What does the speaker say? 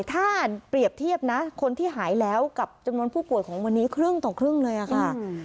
ถ้าเปรียบเทียบนะคนที่หายแล้วกับจำนวนผู้ป่วยของวันนี้ครึ่งต่อครึ่งเลยค่ะ